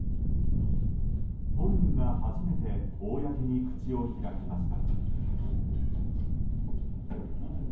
本人が初めて公に口を開きました。